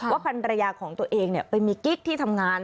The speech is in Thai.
ว่าภรรยาของตัวเองเป็นมีกิ๊กที่ทำงาน